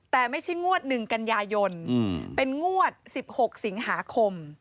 แต่ไม่ใช่งวด๑กันยายนเป็นงวด๑๖สิงหาคม